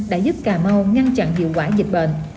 đã giúp cà mau ngăn chặn hiệu quả dịch bệnh